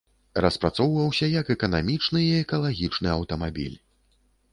Распрацоўваўся як эканамічны і экалагічны аўтамабіль.